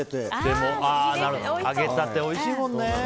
揚げたておいしいもんね。